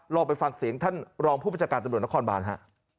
ลองไปฟังเสียงท่านรองผู้ประชาการตำรวจนครบานฮะ